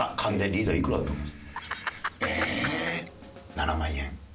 ７万円。